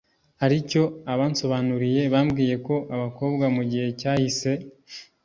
ari cyo. Abansobanuriye, bambwiye ko abakobwa mu gihe cyahise